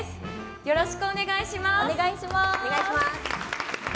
よろしくお願いします！